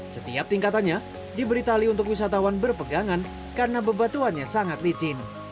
setiap tingkatannya diberi tali untuk wisatawan berpegangan karena bebatuannya sangat licin